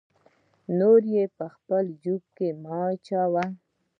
نورې په خپل جیب مه اچوه.